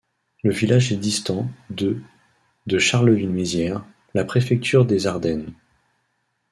Le village est distant de de Charleville-Mézières, la préfecture des Ardennes.